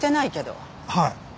はい。